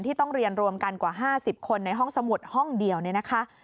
ต้องเรียนรวมกันกว่า๕๐คนในห้องสมุดห้องเดียวเนี่ยนะคะ